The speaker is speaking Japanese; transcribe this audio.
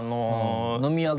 飲み屋街。